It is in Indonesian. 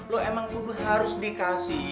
lo emang harus dikasih ya